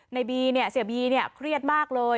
ในบีเสียบีเครียดมากเลย